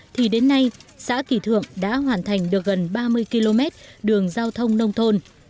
thì đến nay xã kỳ thượng đã hoàn thành được gần ba mươi km đường giao thông nông thôn